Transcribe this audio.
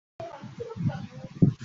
校务委员会主席和校长获准请辞。